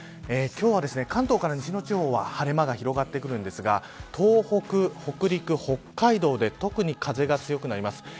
今日は関東から西の地方は晴れ間が広がってきますが東北、北陸、北海道で特に風が強くなります。